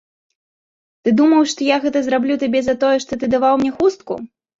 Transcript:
Ты думаў, што я гэта зраблю табе за тое, што ты даваў мне хустку?